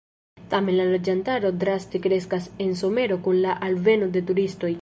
Tamen la loĝantaro draste kreskas en somero kun la alveno de turistoj.